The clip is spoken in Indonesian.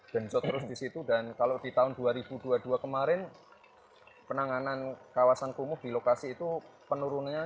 genjot terus di situ dan kalau di tahun dua ribu dua puluh dua kemarin penanganan kawasan kumuh di lokasi itu penurunannya